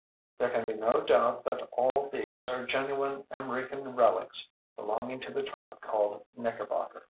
There can be no doubt that all these are genuine Amriccan relics belonging to the tribe called Knickerbocker.